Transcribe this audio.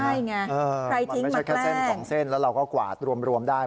มันไม่ใช่แค่เส้นแล้วเราก็กวาดรวมได้